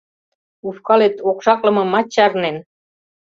Ушкалет окшаклымымат чарнен.